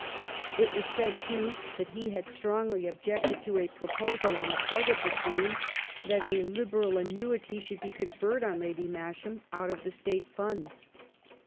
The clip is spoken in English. It was said, too, that he had strongly objected to a proposal on the part of the Queen that a liberal annuity should be conferred on Lady Masham out of the State funds.